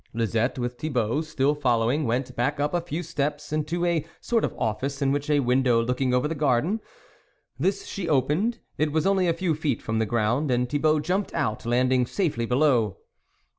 Lisette, with Thibault still following, went back up a few steps into a sort of office in which was a window looking over the garden ; this she opened. It was only a few feet from the ground, and Thibault jumped out, landing safely below.